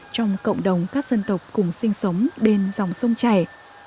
trong cộng đồng các dân tộc cùng sinh sống bên dòng sông chảy